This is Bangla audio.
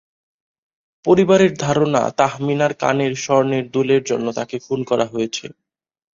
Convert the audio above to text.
পরিবারের ধারণা, তাহমিনার কানের স্বর্ণের দুলের জন্য তাকে খুন করা হয়েছে।